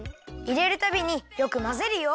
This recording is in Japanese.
いれるたびによくまぜるよ。